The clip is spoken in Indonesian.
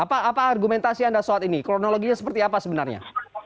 apa argumentasi anda saat ini kronologinya seperti apa sebenarnya